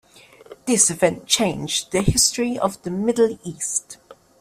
This event changed the history of the Middle East.